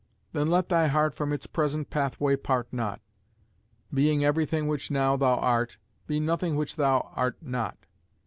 then let thy heart From its present pathway part not; Being everything which now thou art, Be nothing which thou art not.